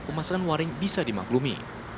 pemasangan waring bisa dimaklumi